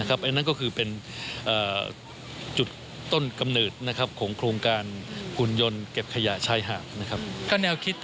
อันนั้นก็เป็นจุดต้นกำหนือของโครงการหุ่นยนต์เก็บขยะชายหาด